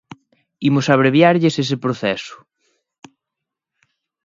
Imos abreviarlles ese proceso.